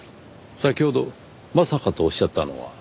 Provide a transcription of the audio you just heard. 先ほど「まさか」とおっしゃったのは？